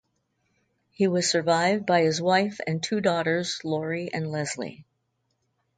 He was survived by his wife and two daughters, Lori and Lesley.